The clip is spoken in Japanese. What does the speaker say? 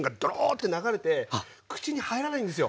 ッて流れて口に入らないんですよ。